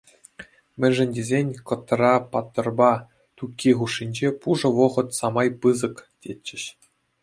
Мӗншӗн тесен Кӑтра-паттӑрпа Тукки хушшинче пушӑ вӑхӑт самай пысӑк, тетчӗҫ.